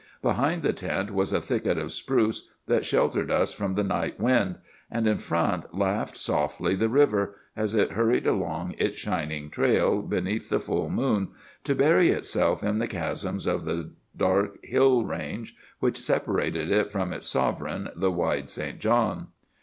Behind the tent was a thicket of spruce that sheltered us from the night wind; and in front laughed softly the river, as it hurried along its shining trail beneath the full moon, to bury itself in the chasms of the dark hill range which separated it from its sovereign, the wide St. John.